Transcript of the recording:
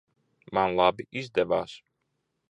Man labi izdevās?